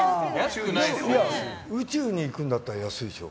宇宙に行くんだったら安いでしょ。